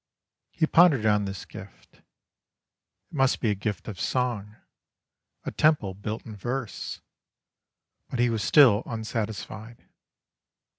He pondered on this gift. It must be a gift of song, a temple built in verse. But he was still unsatisfied.